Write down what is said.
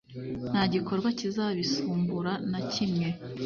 nta gikorwa kizabisumbura nakimwe.